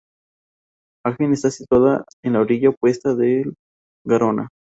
Agen está situada en la orilla opuesta del Garona.